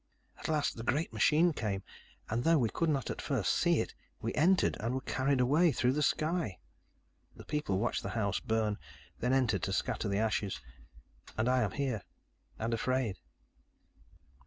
At last, the great machine came, and though we could not at first see it, we entered and were carried away through the sky. "The people watched the house burn, then entered, to scatter the ashes. "And I am here, and afraid."